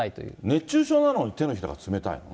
熱中症なのにてのひらが冷たい。